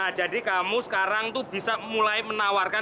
nah jadi kamu sekarang tuh bisa mulai menawarkan